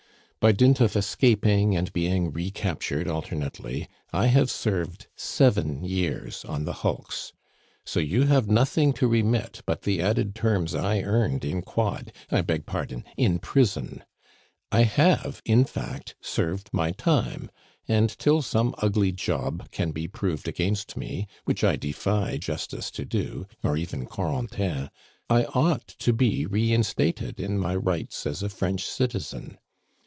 By dint of escaping and being recaptured alternately, I have served seven years on the hulks. So you have nothing to remit but the added terms I earned in quod I beg pardon, in prison. I have, in fact, served my time, and till some ugly job can be proved against me, which I defy Justice to do, or even Corentin I ought to be reinstated in my rights as a French citizen.